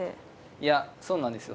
いやそうなんですよ